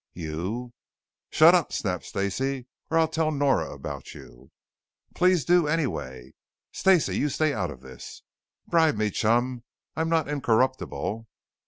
"You " "Shut up," snapped Stacey. "Or I'll tell Nora about you." "Please do anyway." "Stacey, you stay out of this." "Bribe me, chum. I'm not incorruptible."